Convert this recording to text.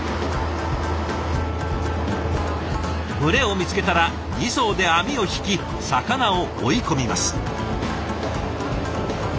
群れを見つけたら２艘で網を引き魚を追い込みます。